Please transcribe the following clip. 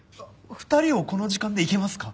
２人をこの時間でいけますか？